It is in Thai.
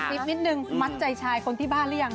นิดนึงมัดใจชายคนที่บ้านหรือยัง